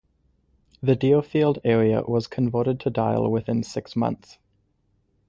The Deerfield area was converted to dial within six months.